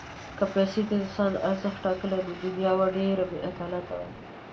که پیسې د انسان ارزښت ټاکلی، نو دنیا به ډېره بېعدالته وای.